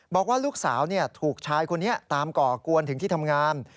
บอกว่าลูกสาวถูกชายคนนี้ตามก่อกวนถึงที่ทำงาน